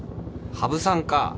羽生さんか。